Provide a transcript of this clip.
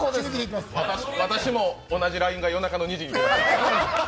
私も同じＬＩＮＥが夜中の２時に来ました。